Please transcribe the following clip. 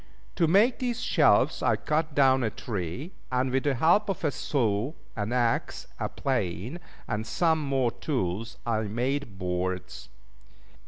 To make these shelves I cut down a tree, and with the help of a saw, an axe, a plane, and some more tools, I made boards.